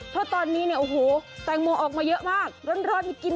เพราะตอนนี้เนี่ยโอ้โหแตงโมออกมาเยอะมากร้อนนี่กิน